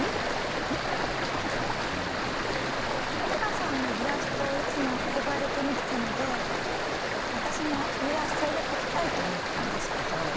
タカさんのイラストをいつも憧れて見てたので私もイラストで描きたいと思ったんですけど。